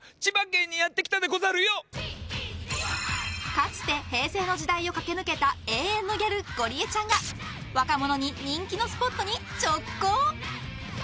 かつて平成の時代を駆け抜けた永遠のギャルゴリエちゃんが若者に人気のスポットに直行！